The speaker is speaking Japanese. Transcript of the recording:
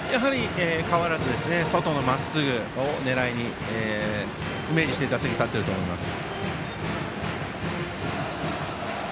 変わらず外のまっすぐを狙い目にしてイメージして打席に立ってるかだと思います。